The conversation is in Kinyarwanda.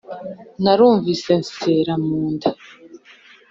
Narumvise nsera mu nda